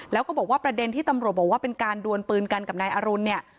แล้วก็บอกว่าประเด็นที่ตำรวจบอกว่าเป็นการดวนปืนกันกับนายอรุณเนี่ย